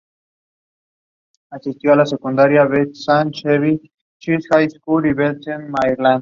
Jiraiya es un ex-estudiante del Tercer Hokage.